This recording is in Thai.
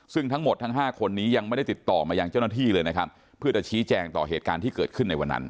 ซึ่งทั้งหมดทั้ง๕คนนี้ยังไม่ได้ติดต่อมายังเจ้าหน้าที่เลยนะครับเพื่อจะชี้แจงต่อเหตุการณ์ที่เกิดขึ้นในวันนั้น